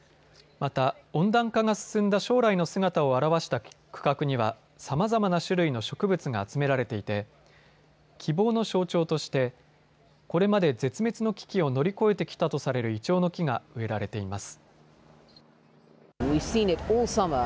また温暖化が進んだ将来の姿を表した区画には、さまざまな種類の植物が集められていて希望の象徴としてこれまで絶滅の危機を乗り越えてきたとされるイチョウの木が植えられています。